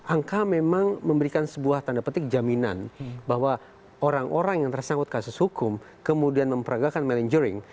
angka memang memberikan sebuah tanda petik jaminan bahwa orang orang yang tersangkut kasus hukum kemudian memperagakan manajering